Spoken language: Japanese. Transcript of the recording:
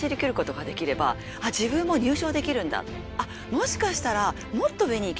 もしかしたら。